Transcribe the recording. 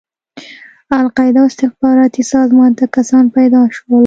القاعده او استخباراتي سازمان ته کسان پيدا شول.